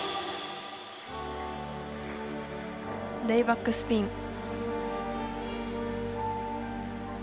レイバックスピン。